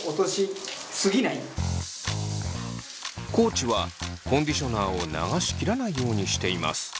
地はコンディショナーを流し切らないようにしています。